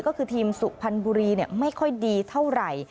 ก็คือทีมสุพรรณบุรีไม่ค่อยดีเท่าไหร่